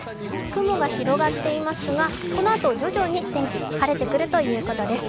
雲が広がっていますが、このあと徐々に天気、晴れてくるということです。